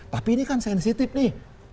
tapi ini kan sensitif nih